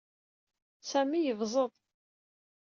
Sami yebẓeḍ.